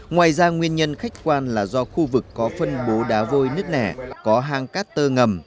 ngoài ra nguyên nhân khách quan là do khu vực có phân bố đá vôi nứt nẻ có hang cát tơ ngầm